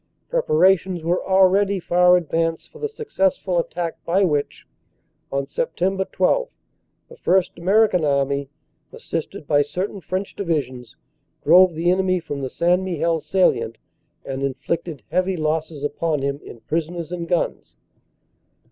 Preparations were al ready far advanced for the successful attack by which, on Sept. 12, the First American Army, assisted by certain French Divi sions, drove the enemy from the St. Mihiel salient and inflicted 206 CANADA S HUNDRED DAYS heavy losses upon him in prisoners and guns.